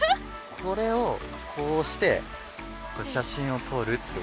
これをこうして写真を撮るっていう事？